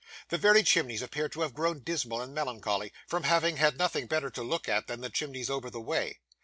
The very chimneys appear to have grown dismal and melancholy, from having had nothing better to look at than the chimneys over the way.